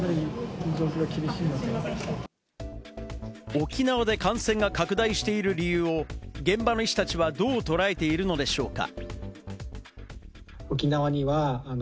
沖縄で感染が拡大している理由を現場の医師たちはどう捉えているのでしょうか？